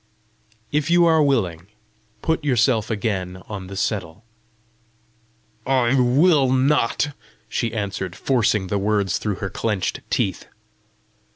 "If you are willing, put yourself again on the settle." "I will not," she answered, forcing the words through her clenched teeth.